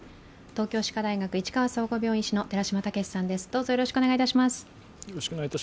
東京歯科大学市川総合病院医師の寺嶋毅さんです。